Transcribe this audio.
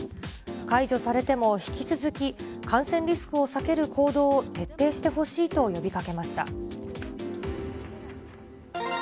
解除されても引き続き感染リスクを避ける行動を徹底してほしいと呼びかけました。